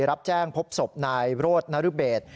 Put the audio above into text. รับแจ้งพบศพนายโรธนรเบศ